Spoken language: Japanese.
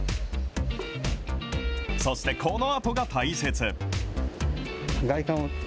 そしてこのあとが大切。